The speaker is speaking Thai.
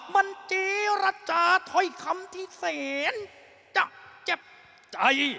มันเจรจาถ้อยคำที่แสนจะเจ็บใจ